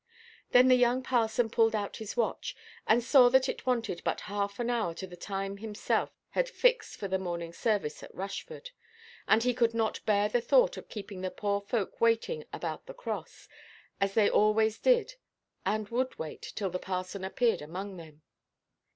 Then the young parson pulled out his watch, and saw that it wanted but half an hour of the time himself had fixed for the morning service at Rushford. And he could not bear the thought of keeping the poor folk waiting about the cross, as they always did and would wait, till the parson appeared among them.